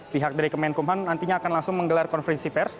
pihak dari kemenkumham nantinya akan langsung menggelar konferensi pers